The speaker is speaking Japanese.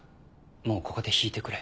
もうここで引いてくれ。